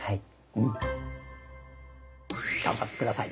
うん。頑張って下さい。